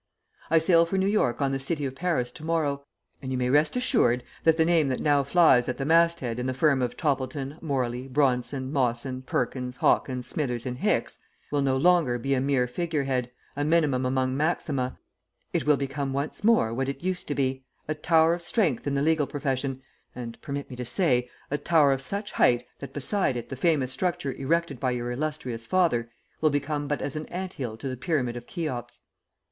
"I sail for New York on the City of Paris to morrow, and you may rest assured that the name that now flies at the mast head in the firm of Toppleton, Morley, Bronson, Mawson, Perkins, Harkins, Smithers and Hicks will no longer be a mere figurehead, a minimum among maxima; it will become once more what it used to be, a tower of strength in the legal profession, and, permit me to say, a tower of such height that beside it the famous structure erected by your illustrious father will become but as an ant hill to the pyramid of Cheops.